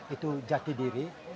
itu jati diri